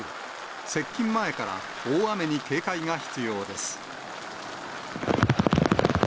接近前から大雨に警戒が必要です。